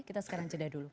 kita sekarang jeda dulu